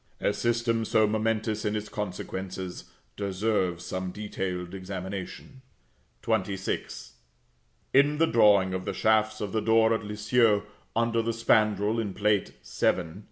A system so momentous in its consequences deserves some detailed examination. XXVI. In the drawing of the shafts of the door at Lisieux, under the spandril, in Plate VII.